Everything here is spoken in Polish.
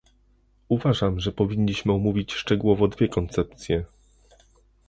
Uważam, że powinniśmy omówić szczegółowo dwie koncepcje